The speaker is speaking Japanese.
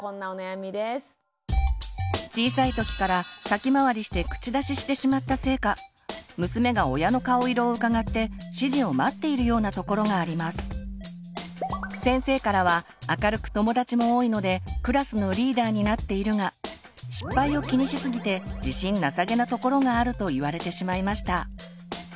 小さいときから先回りして口出ししてしまったせいか先生からは明るく友だちも多いのでクラスのリーダーになっているが失敗を気にしすぎて自信なさげなところがあると言われてしまいました。